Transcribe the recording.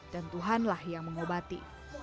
dan tuhanlah yang mengobati